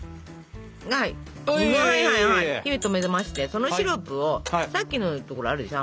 火を止めましてそのシロップをさっきの所あるでしょ。